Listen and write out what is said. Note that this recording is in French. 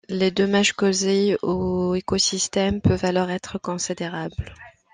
Les dommages causés aux écosystèmes peuvent alors êtres considérables.